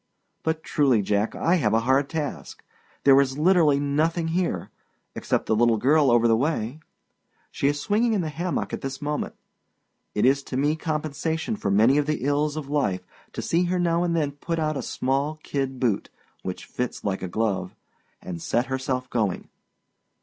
But truly, Jack, I have a hard task. There is literally nothing here except the little girl over the way. She is swinging in the hammock at this moment. It is to me compensation for many of the ills of life to see her now and then put out a small kid boot, which fits like a glove, and set herself going.